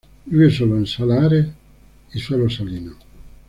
Vive sólo en saladares, y suelos salinos.